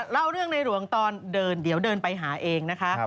เล่าเรื่องในหลวงตอนเดินเดี๋ยวเดินไปหาเองนะคะ